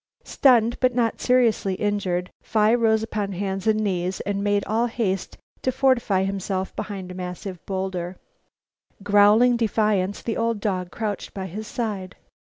Stunned, but not seriously injured, Phi rose upon hands and knees and made all haste to fortify himself behind a massive bowlder. Growling defiance, the old dog crouched by his side.